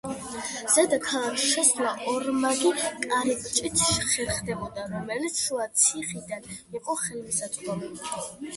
ზედა ქალაქში შესვლა ორმაგი კარიბჭით ხერხდებოდა, რომელიც შუა ციხიდან იყო ხელმისაწვდომი.